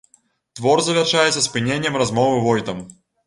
Твор завяршаецца спыненнем размовы войтам.